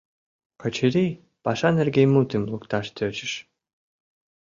Качырий паша нерген мутым лукташ тӧчыш.